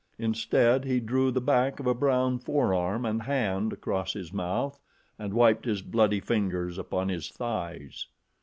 Instead he drew the back of a brown forearm and hand across his mouth and wiped his bloody fingers upon his thighs.